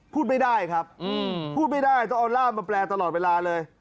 พูดไม่ได้ครับพูดไม่ได้ต้องเอาร่ามมาแปลตลอดเวลาเลย